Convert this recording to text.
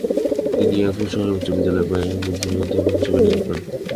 তিনি এরফুর্ট শহরে উচ্চবিদ্যালয় বা গুমনাজিউমে অধ্যাপক হিসেবে নিয়োগ পান।